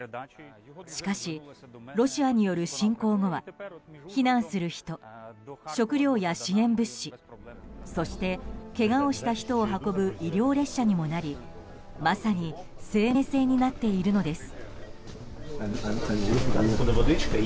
しかし、ロシアによる侵攻後は避難する人、食料や支援物資そして、けがをした人を運ぶ医療列車にもなりまさに生命線になっているのです。